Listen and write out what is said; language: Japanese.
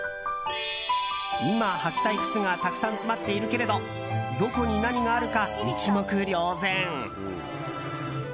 今、履きたい靴がたくさん詰まっているけれどどこに何があるか一目瞭然。